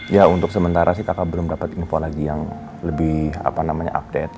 ya untuk sementara sih kakak belum dapet info lagi yang lebih update